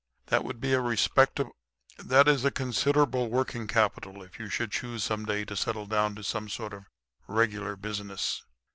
That would be a respecta that is a considerable working capital if you should choose some day to settle down to some sort of regular business."